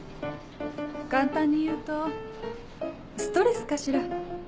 簡単に言うとストレスかしら。